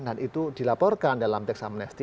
dan itu dilaporkan dalam tax amnesty